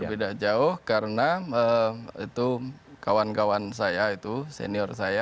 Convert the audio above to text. berbeda jauh karena itu kawan kawan saya itu senior saya